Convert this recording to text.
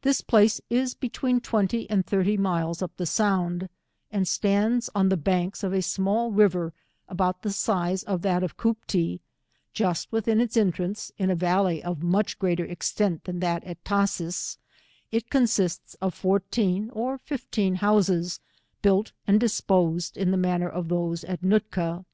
This place is between twenty and thirty miles distant up the sound, and stands on the banks of a small river aboui the size of that of Cooptee, just within its entrance, in a valley of much greater extent than that of Tashees; it con sists of fourteen or fifteen houses, built and dispos ed in the manner of those at Nootka.